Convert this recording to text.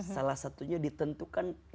salah satunya ditentukan